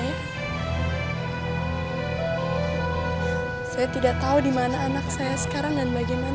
vasal itu mustahil mermerce dan ini menyerahkan dalam kehidupan lu ini